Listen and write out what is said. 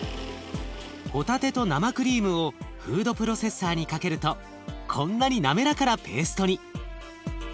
ほたてと生クリームをフードプロセッサーにかけるとこんなに滑らかなペーストに。